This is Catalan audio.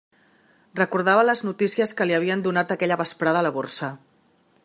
Recordava les notícies que li havien donat aquella vesprada a la Borsa.